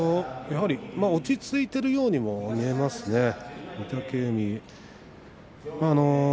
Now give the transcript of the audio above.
まあ落ち着いているようにも見えますね。